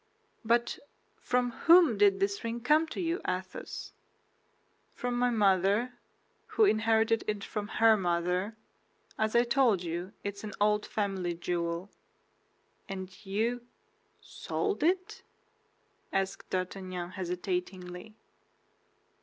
"But from whom did this ring come to you, Athos?" "From my mother, who inherited it from her mother. As I told you, it is an old family jewel." "And you—sold it?" asked D'Artagnan, hesitatingly.